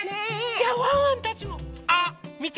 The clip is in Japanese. じゃワンワンたちも。あっみて！